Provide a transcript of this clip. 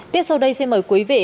tiếp sau đây xin mời quý vị